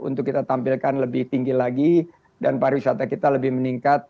untuk kita tampilkan lebih tinggi lagi dan pariwisata kita lebih meningkat